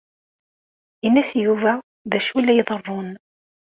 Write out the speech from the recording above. Ini-as i Yuba d acu ay la iḍerrun.